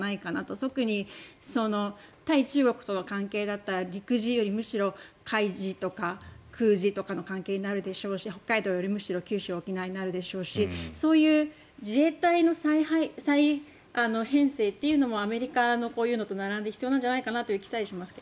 特に対中国との関係だったら陸自よりむしろ海自とか空自の関係になると思いますし北海道よりむしろ九州、沖縄になるでしょうしそういう自衛隊の再編成もアメリカのこういうのと並んで必要なんじゃないかなという気もしますが。